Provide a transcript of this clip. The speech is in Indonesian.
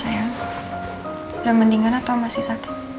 ya sayang udah mendingan atau masih sakit